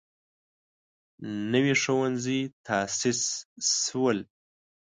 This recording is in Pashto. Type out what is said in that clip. نوي ښوونځي تاسیس شول.